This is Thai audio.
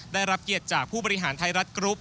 ได้รับเกียรติจากผู้บริหารไทยรัฐกรุ๊ป